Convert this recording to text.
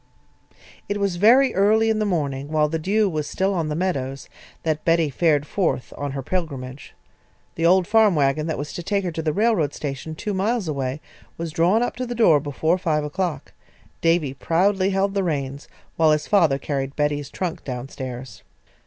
It was very early in the morning, while the dew was still on the meadows, that Betty fared forth on her pilgrimage. The old farm wagon that was to take her to the railroad station, two miles away, was drawn up to the door before five o'clock. Davy proudly held the reins while his father carried Betty's trunk down stairs.